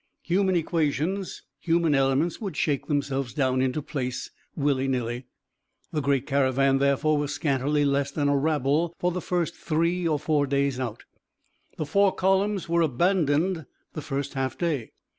Human equations, human elements would shake themselves down into place, willy nilly. The great caravan therefore was scantily less than a rabble for the first three or four days out. The four columns were abandoned the first half day.